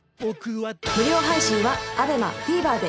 無料配信は ＡＢＥＭＡＴＶｅｒ で